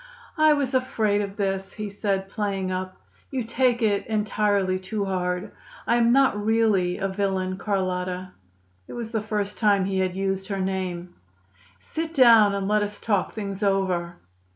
"I was afraid of this," he said, playing up. "You take it entirely too hard. I am not really a villain, Carlotta." It was the first time he had used her name. "Sit down and let us talk things over."